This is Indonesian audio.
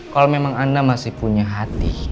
kalau memang anda masih punya hati